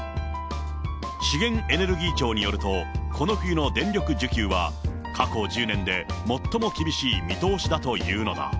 資源エネルギー庁によると、この冬の電力需給は、過去１０年で最も厳しい見通しだというのだ。